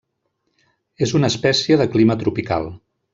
És una espècie de clima tropical.